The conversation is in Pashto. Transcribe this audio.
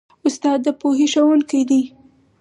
استاد د پوهې ښوونکی دی.